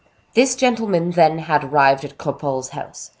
This gentleman, then, had arrived alone at Cropole's house.